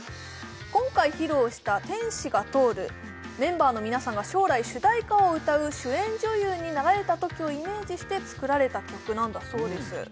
今回披露した「天使が通る」メンバーの皆さんが将来主題歌を歌う主演女優になられたときをイメージして作られた曲なんだそうです